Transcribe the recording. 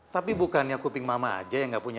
tapi bukannya kuping mama aja yang nggak punya